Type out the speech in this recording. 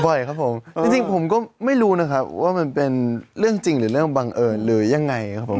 บ่อยครับผมจริงผมก็ไม่รู้นะครับว่ามันเป็นเรื่องจริงหรือเรื่องบังเอิญหรือยังไงครับผม